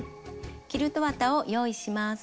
キルト綿を用意します。